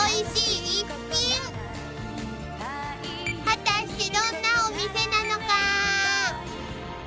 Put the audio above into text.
［果たしてどんなお店なのか？］